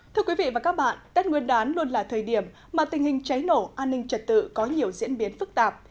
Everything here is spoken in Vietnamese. thưa quý vị và các bạn tết nguyên đán luôn là thời điểm mà tình hình cháy nổ an ninh trật tự có nhiều diễn biến phức tạp